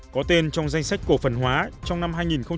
có tên trong danh sách cổ phần hóa trong năm hai nghìn một mươi chín